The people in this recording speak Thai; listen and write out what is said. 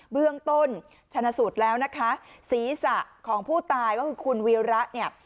เบื้องต้นชนะสูตรแล้วนะคะศีรษะของผู้ตายก็คือคุณวีระเนี่ย